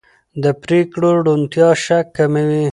د پرېکړو روڼتیا شک کموي